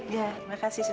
iya terima kasih sisten